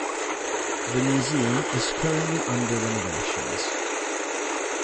The museum is currently under renovations.